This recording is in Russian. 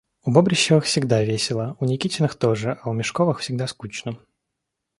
У Бобрищевых всегда весело, у Никитиных тоже, а у Межковых всегда скучно.